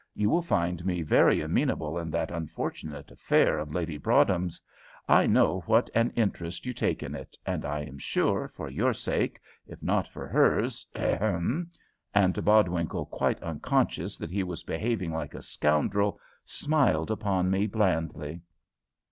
You will find me very amenable in that unfortunate affair of Lady Broadhem's. I know what an interest you take in it, and I am sure, for your sake, if not for hers ahem," and Bodwinkle, quite unconscious that he was behaving like a scoundrel, smiled upon me blandly.